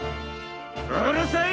うるさい！